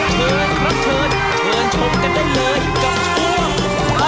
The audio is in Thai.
เชิญครับเชิญเชิญชมกันด้วยเลย